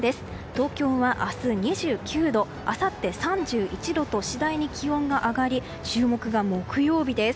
東京は明日２９度あさって３１度と次第に気温が上がり注目が木曜日です。